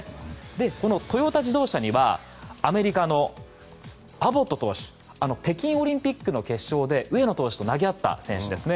このトヨタ自動車にはアメリカのアボット投手北京オリンピックの決勝で上野投手と投げ合った選手ですね。